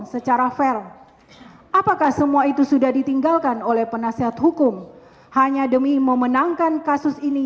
secara fair apakah semua itu sudah ditinggalkan oleh penasihat hukum hanya demi memenangkan kasus ini